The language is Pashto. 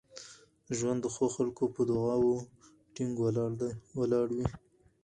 ژوند د ښو خلکو په دعاوو ټینګ ولاړ وي.